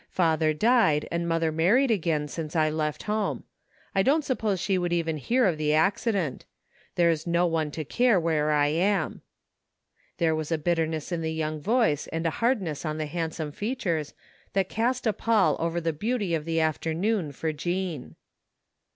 Father died and mother married again since I left home. I don't suppose she would even hear of the accident There's no one to care where I am." There was a bitterness in the young voice and a hardness on the handsome features that cast a pall over the beauty of the after noon for Jean.